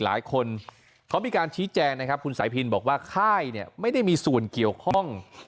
หลายคนเขามีการชี้แจงนะครับคุณสายพินบอกว่าค่ายเนี่ยไม่ได้มีส่วนเกี่ยวข้อง